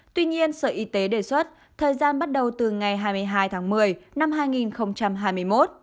tuy nhiên sở y tế đề xuất thời gian bắt đầu từ ngày hai mươi hai tháng một mươi năm hai nghìn chín